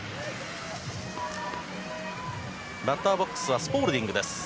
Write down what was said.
バッターボックスはスポールディングです。